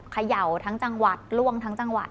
เขย่าทั้งจังหวัดล่วงทั้งจังหวัด